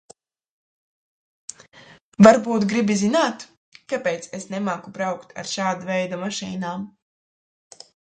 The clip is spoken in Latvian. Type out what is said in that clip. Varbūt gribi zināt, kāpēc es nemāku braukt ar šāda veida mašīnām?